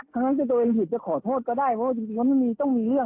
ทั้งนั้นจะโดนผิดจะขอโทษก็ได้เพราะว่าจริงแล้วไม่มีต้องมีเรื่อง